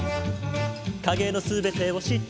「影の全てを知っている」